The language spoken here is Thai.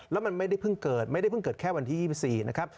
แล้วมันไม่ได้เพิ่งเกิดไม่ได้เพิ่งเกิดแค่วันที่๒๔นะครับ